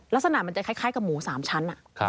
ลักษณะมันจะคล้ายกับหมู๓ชั้น